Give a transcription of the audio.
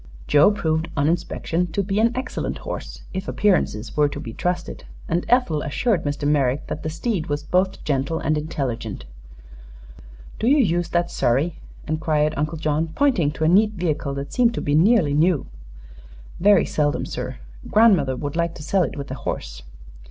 Joe proved on inspection to be an excellent horse, if appearances were to be trusted, and Ethel assured Mr. Merrick that the steed was both gentle and intelligent. "Do you use that surrey?" inquired Uncle John, pointing to a neat vehicle that seemed to be nearly new. "Very seldom, sir. Grandmother would like to sell it with the horse."